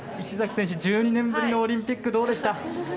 石崎選手、１２年ぶりのオリンピック、どうでした？